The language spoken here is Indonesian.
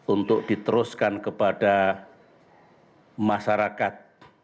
untuk diteruskan kepada masyarakat